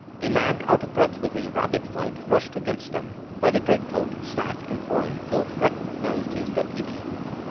A man out of breath with his rapid flight rushed against them. By the great coat, staff, and horn, Philip recognized his deputy.